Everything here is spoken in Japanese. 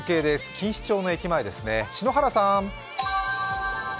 錦糸町の駅前ですね、篠原さん。